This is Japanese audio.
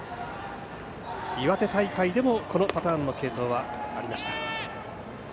岩手大会でもこのパターンの継投はありました。